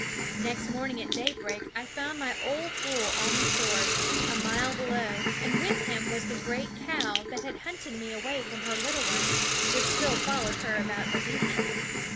I Next morning at daybreak I found my '}.'; old bull on the shore, a mile below; and with him was the great cow that had hunted me away from her little one, which still followed her about obediently.